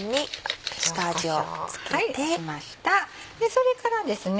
それからですね